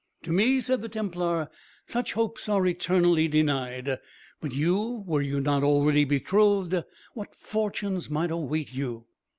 "To me," said the Templar, "such hopes are eternally denied. But you, were you not already betrothed, what fortunes might await you!"